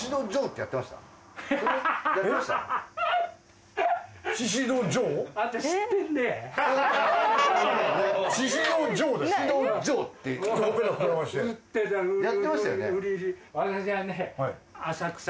やってましたよね？